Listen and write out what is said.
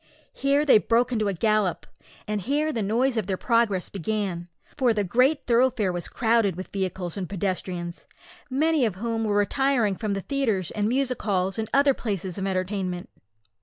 Here they broke into a gallop, and here the noise of their progress began, for the great thoroughfare was crowded with vehicles and pedestrians, many of whom were retiring from the theatres and music halls, and other places of entertainment.